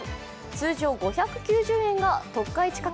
通常５９０円が特価